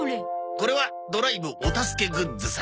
これはドライブお助けグッズさ。